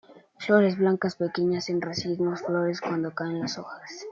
Flores blancas, pequeñas, en racimos, florece cuando caen las hojas.